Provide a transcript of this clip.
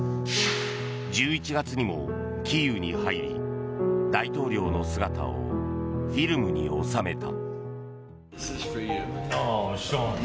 １１月にもキーウに入り大統領の姿をフィルムに収めた。